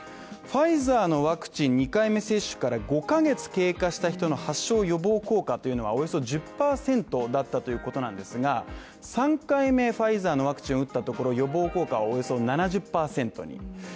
ファイザーのワクチン２回目接種から５ヶ月経過した人の発症予防効果というのはおよそ１０％だったということなんですが、３回目ファイザーのワクチンを打ったところ予防効果